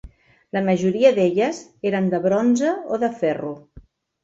La majoria d'elles eren de bronze o de ferro.